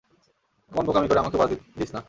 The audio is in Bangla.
কোন বোকামি করে আমাকেও বাঁশ দিছ না।